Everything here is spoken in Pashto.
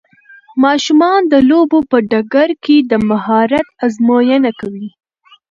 ماشومان د لوبو په ډګر کې د مهارت ازموینه کوي.